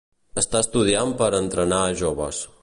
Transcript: Està estudiant per entrenar a joves.